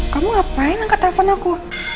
kamu ngapain angkat telepon aku